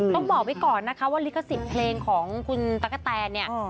ต้องบอกไว้ก่อนนะคะว่าลิขสิทธิ์เพลงของคุณตั๊กกะแตนเนี่ย